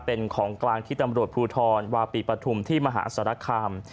เป็นของกลางที่ตำรวจภูทรวาปีปฐุมที่มหาสารคาม